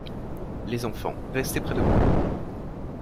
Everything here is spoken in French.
Les enfants, restez près de moi.